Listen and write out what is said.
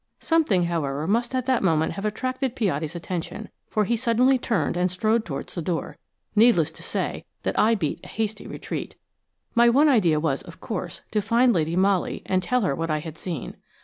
Something, however, must at that moment have attracted Piatti's attention, for he suddenly turned and strode towards the door. Needless to say that I beat a hasty retreat. My one idea was, of course, to find Lady Molly and tell her what I had seen.